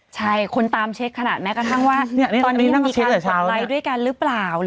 ใช่คนตามเช็คขนาดนั้นกระทั่งว่า